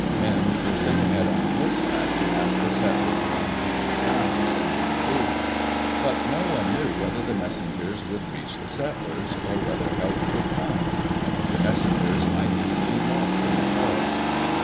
Men were sent ahead on horseback to ask the settlers around Puget Sound to send them food. But no one knew whether the messengers would reach the settlers, or whether help could come. The messengers might even be lost in the forest.